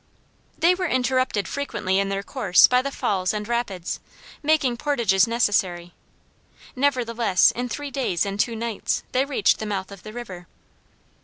They were interrupted frequently in their course by the falls and rapids, making portages necessary; nevertheless in three days and two nights they reached the mouth of the river.